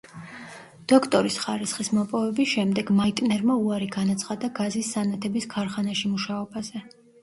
დოქტორის ხარისხის მოპოვების შემდეგ, მაიტნერმა უარი განაცხადა გაზის სანათების ქარხანაში მუშაობაზე.